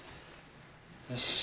よし。